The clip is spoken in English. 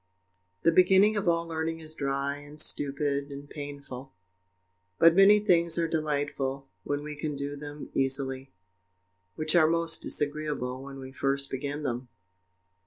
The beginning of all learning is dry, and stupid, and painful; but many things are delightful, when we can do them easily, which are most disagreeable when we first begin them.